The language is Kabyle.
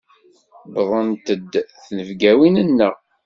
Wwḍent-d tnebgawin-nneɣ.